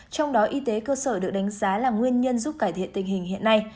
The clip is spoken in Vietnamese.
trong đó y tế cơ sở được đánh giá là nguyên nhân giúp cải thiện tình hình hiện nay